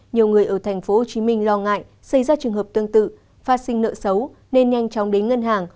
nhiều người ở tp hcm lo ngại xây ra trường hợp tương tự pha sinh nợ xấu nên nhanh chóng đến ngân hàng